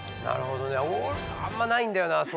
なるほどねあんまないんだよな